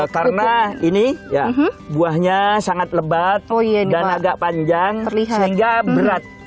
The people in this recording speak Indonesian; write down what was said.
karena ini buahnya sangat lebat dan agak panjang sehingga berat